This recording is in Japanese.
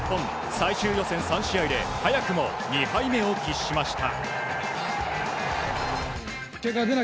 最終予選３試合で早くも２敗目を喫しました。